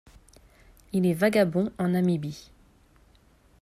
Il est vagabond en Namibie.